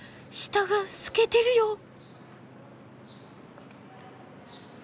下が透けてるよ！